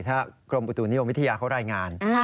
ถ้ากรมอุติศาสตรีนิยมวิทยาเขารายงาน